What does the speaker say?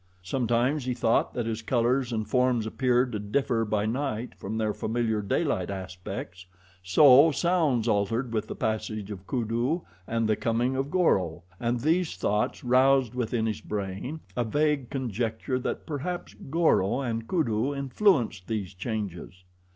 Sometimes he thought that as colors and forms appeared to differ by night from their familiar daylight aspects, so sounds altered with the passage of Kudu and the coming of Goro, and these thoughts roused within his brain a vague conjecture that perhaps Goro and Kudu influenced these changes.